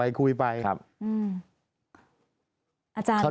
แต่ได้ยินจากคนอื่นแต่ได้ยินจากคนอื่น